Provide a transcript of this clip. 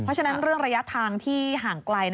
เพราะฉะนั้นเรื่องระยะทางที่ห่างไกล